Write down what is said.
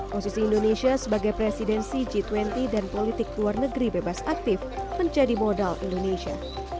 posisi indonesia sebagai presidensi g dua puluh dan politik luar negeri bebas aktif menjadi modal indonesia